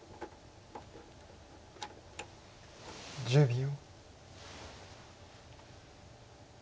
１０秒。